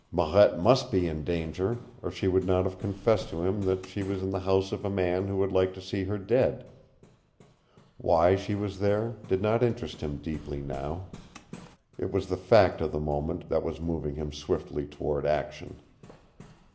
Marette must be in danger, or she would not have confessed to him that she was in the house of a man who would like to see her dead. Why she was there did not interest him deeply now. It was the fact of the moment that was moving him swiftly toward action.